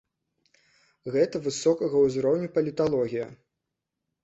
Гэта высокага ўзроўню паліталогія.